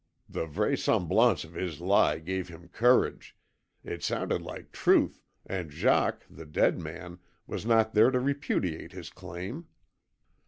(The VRAISEMBLANCE of his lie gave him courage. It sounded like truth, and Jacques, the dead man, was not there to repudiate his claim.)